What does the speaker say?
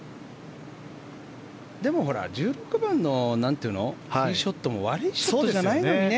でも１６番のティーショットも悪いショットじゃないのにね。